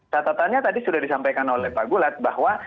catatannya tadi sudah disampaikan oleh pak gulat bahwa